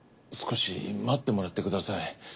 少し待ってもらってください。